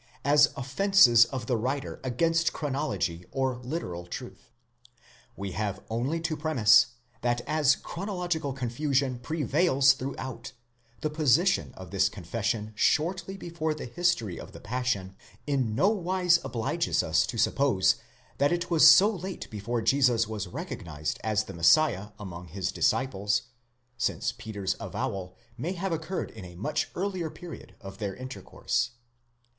as offences of the writer against chronology or literal truth. We have only to premise, that as chronological confusion prevails throughout, the position of this confession shortly before the history of the Passion, in nowise obliges us to suppose that it was so late before Jesus was recognised as the Messiah among his disciples, since Peter's avowal may have occurred in a much earlier period of their intercourse.